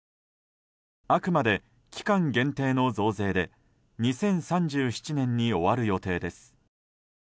あくまで期間限定の増税で２０３７年に終わる予定です。